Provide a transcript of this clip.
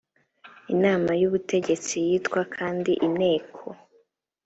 inama y ubutegetsi yitwa kandi inteko